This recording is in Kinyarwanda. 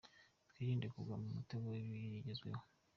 Twirinde kugwa mu mutego w'ibigezweho.